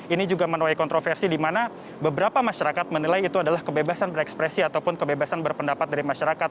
ini juga menuai kontroversi di mana beberapa masyarakat menilai itu adalah kebebasan berekspresi ataupun kebebasan berpendapat dari masyarakat